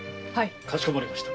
かしこまりました。